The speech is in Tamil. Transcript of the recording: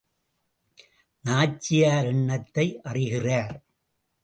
நாச்சியார் எண்ணத்தை அறிகிறார்.